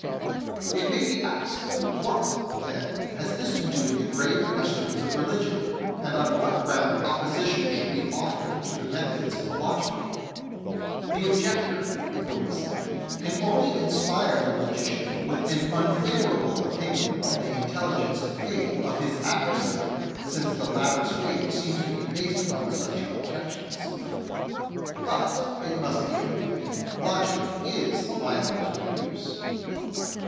It may be asked, What, then, this has to do with the grave questions of religion, and on what ground opposition should be offered to the methods of logic ? The objector, it will be said, can only in spire the logician with an unfavourable opinion of the intelligence and faith of his adversary, since the latter's faith seems to be based upon such objections. But, it must be admitted, logic is liable to abuse.